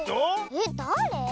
えっだれ？